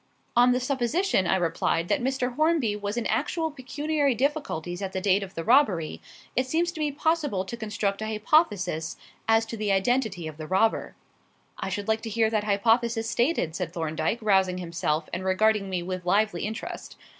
"On the supposition," I replied, "that Mr. Hornby was in actual pecuniary difficulties at the date of the robbery, it seems to me possible to construct a hypothesis as to the identity of the robber." "I should like to hear that hypothesis stated," said Thorndyke, rousing himself and regarding me with lively interest.